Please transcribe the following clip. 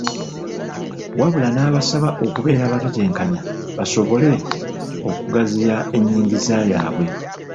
Wabula n'abasaba okubeera abatetenkanya, basobole okugaziya ennyigiza yaabwe.